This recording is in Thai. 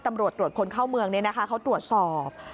ตำรวจตรวจคนเข้าเมืองเขาตรวจสอบ